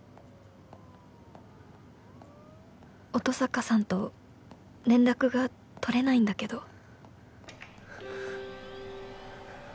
「音坂さんと連絡が取れないんだけど」